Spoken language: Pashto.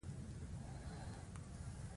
آیا نورستان ملي پارک دی؟